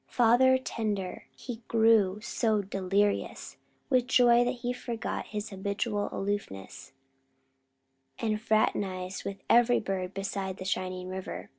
Father tender, he grew so delirious with joy that he forgot his habitual aloofness, and fraternized with every bird beside the shining river.